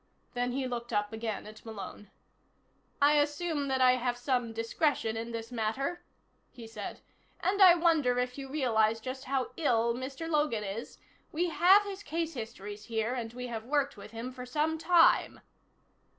Then he looked up again at Malone. "I assume that I have some discretion in this matter," he said. "And I wonder if you realize just how ill Mr. Logan is? We have his case histories here, and we have worked with him for some time."